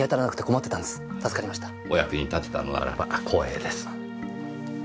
お役に立てたのならば光栄です。